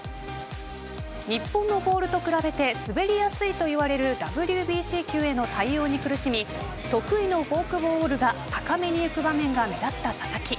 日本のボールと比べて滑りやすいといわれるＷＢＣ球への対応に苦しみ得意のフォークボールが高めに浮く場面が目立った佐々木。